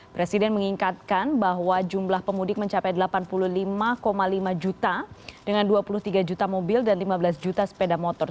presiden mengingatkan bahwa jumlah pemudik mencapai delapan puluh lima lima juta dengan dua puluh tiga juta mobil dan lima belas juta sepeda motor